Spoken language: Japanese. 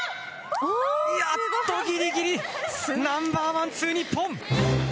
やっとギリギリナンバーワン、ツー日本。